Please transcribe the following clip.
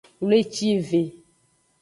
Wlecive.